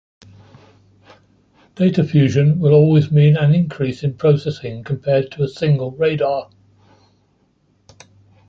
Data fusion will always mean an increase in processing compared to a single radar.